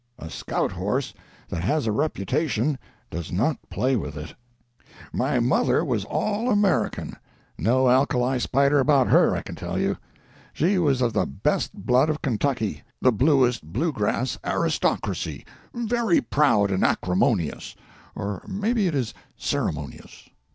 A scout horse that has a reputation does not play with it. My mother was all American—no alkali spider about her, I can tell you; she was of the best blood of Kentucky, the bluest Blue grass aristocracy, very proud and acrimonious—or maybe it is ceremonious.